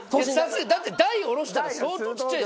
だって台下ろしたら相当小っちゃい。